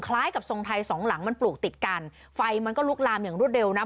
กับทรงไทยสองหลังมันปลูกติดกันไฟมันก็ลุกลามอย่างรวดเร็วนะ